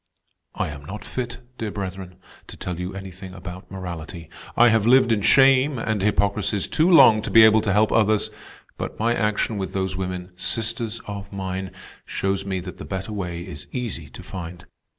"I am not fit, dear brethren, to tell you anything about morality. I have lived in shame and hypocrisies too long to be able to help others; but my action with those women, sisters of mine, shows me that the better way is easy to find.